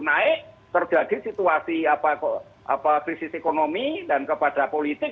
naik terjadi situasi krisis ekonomi dan kepada politik